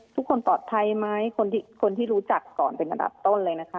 ทุกคนปลอดภัยไหมคนที่รู้จักก่อนเป็นอันดับต้นเลยนะคะ